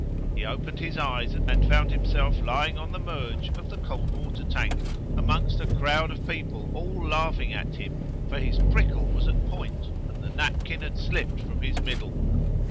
He opened his eyes and found him self lying on the merge of the cold water tank, amongst a crowd of people all laughing at him; for his prickle was at point and the napkin had slipped from his middle.